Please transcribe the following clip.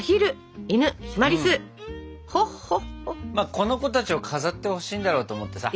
この子たちを飾ってほしいんだろうと思ってさ。